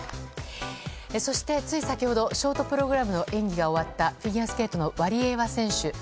そして、つい先ほどショートプログラムの演技が終わったフィギュアスケートのワリエワ選手。